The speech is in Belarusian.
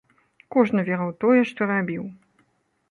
Кожны верыў у тое, што рабіў.